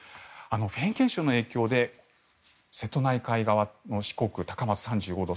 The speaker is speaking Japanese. フェーン現象の影響で瀬戸内海側の四国高松、３５度。